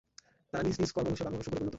তারা নিজ নিজ কর্মদোষে বানর ও শূকরে পরিণত হলো।